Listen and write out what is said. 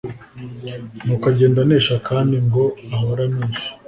nuko agenda anesha kandi ngo ahore anesha.